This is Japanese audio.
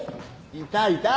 いたいた。